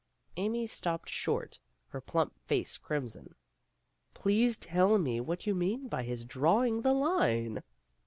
Amy stopped short, her plump face crimson. "Please tell me what you mean by his drawing the line?"